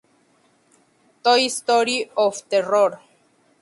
Toy Story of Terror!